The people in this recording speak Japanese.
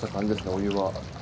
お湯は。